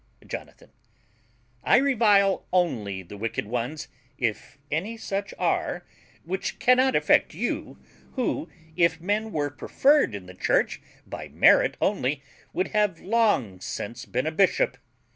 JONATHAN. I revile only the wicked ones, if any such are, which cannot affect you, who, if men were preferred in the church by merit only, would have long since been a bishop.